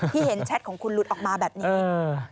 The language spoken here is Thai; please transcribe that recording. ที่เห็นแชทของคุณหลุดออกมาแบบนี้